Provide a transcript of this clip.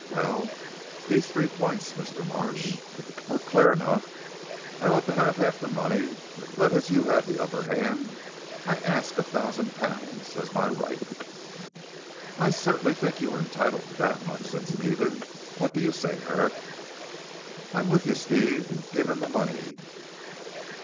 Well, these three points, Mr. Marsh, are clear enough. I ought to have half the money, but as you have the upper hand, I ask a thousand pounds as my right." "I certainly think you are entitled to that much," said Stephen, "what do you say, Herrick?" "I'm with you, Steve. Give him the money."